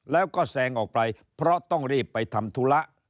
แล้วก็แซงออกไปเพราะต้องรีบไปทำธุระ